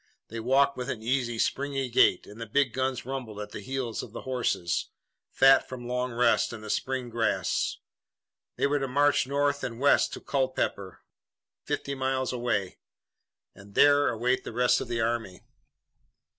They walked with an easy, springy gait, and the big guns rumbled at the heels of the horses, fat from long rest and the spring grass. They were to march north and west to Culpeper, fifty miles away, and there await the rest of the army.